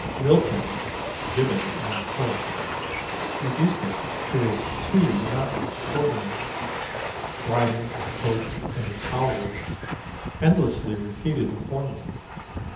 Milton Gibbon among poets reduced it to his too monotonous organ roll. Dryden, Pope and his followers, endlessly repeated a formula.